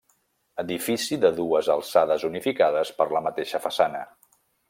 Edifici de dues alçades unificades per la mateixa façana.